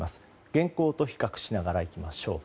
現行と比較しながらいきましょう。